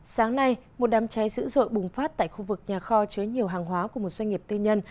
sáng nay một đám cháy dữ dội bùng phát tại khu vực nhà kho chứa nhiều hàng hóa của một doanh nghiệp tư nhân